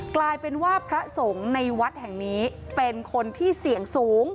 กลายเป็นว่าพระสงฆ์ในวัดแห่งนี้เป็นคนที่เสี่ยงสูง